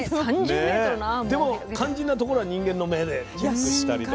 でも肝心なところは人間の目でチェックしたりとか。